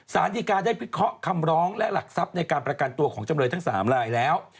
สารดีการได้พิเคราะห์คำร้องและหลักทรัพย์ในการประกันตัวของจำเลยทั้ง๓ลายแล้ว